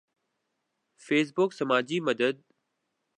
face بک سماجی مدد